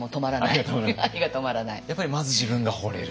やっぱりまず自分がほれると。